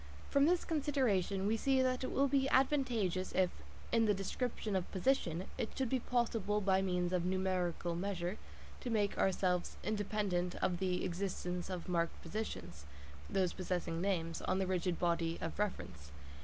From this consideration we see that it will be advantageous if, in the description of position, it should be possible by means of numerical measures to make ourselves independent of the existence of marked positions (possessing names) on the rigid body of reference.